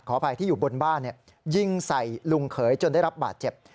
อภัยที่อยู่บนบ้านยิงใส่ลุงเขยจนได้รับบาดเจ็บ